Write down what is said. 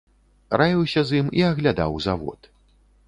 Раіўся з ім і аглядаў завод.